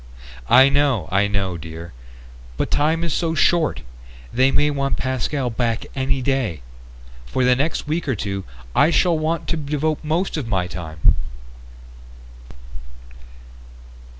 "I know, I know, dear. But time is so short. They might want Pascal back any day. For the next week or two I shall want to devote most of my time